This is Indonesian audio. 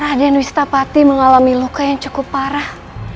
raden wistapati mengalami luka yang cukup parah